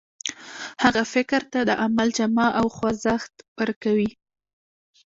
هغه فکر ته د عمل جامه او خوځښت ورکوي.